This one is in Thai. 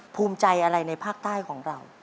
ภูมิใจอะไรในภาคใต้ของเรา